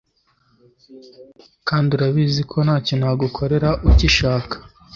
kandi urabizi ko ntacyo ntagukorera ugishaka